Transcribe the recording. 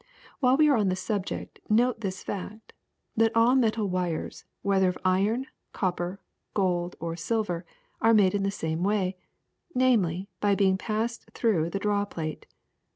*^ While we are on the subject note this fact — that all metal wires, whether of iron, copper, gold, or sil ver, are made in the same way: namely, by being passed through the draw plate.